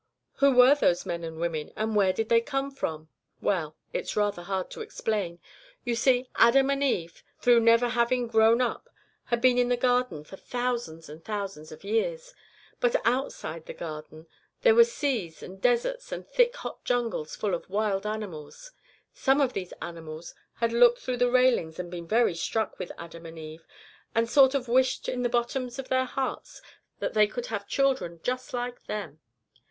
Who were those men and women, and where did they come from? Well, it's rather hard to explain. You see, Adam and Eve, through never having grown up, had been in the Garden for thousands and thousands of years. But outside the Garden there were seas and deserts and thick, hot jungles full of wild animals. Some of these animals had looked through the railings and been very struck with Adam and Eve, and sort of wished in the bottoms of their hearts that they could have children just like them.